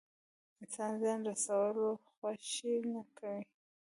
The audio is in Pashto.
انسان زيان رسولو خوښي نه کوي.